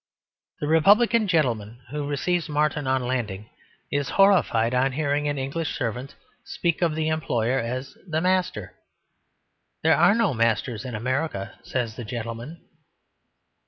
The republican gentleman who receives Martin on landing is horrified on hearing an English servant speak of the employer as "the master." "There are no masters in America," says the gentleman.